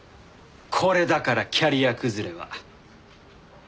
これだからキャリア崩れは。